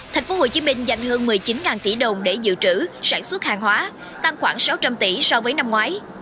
thành phố hồ chí minh dành hơn một mươi chín tỷ đồng để dự trữ sản xuất hàng hóa tăng khoảng sáu trăm linh tỷ so với năm ngoái